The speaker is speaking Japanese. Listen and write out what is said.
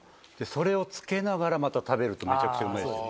それをつけながらまた食べるとめちゃくちゃうまいですよ。